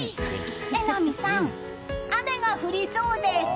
榎並さん、雨が降りそうです。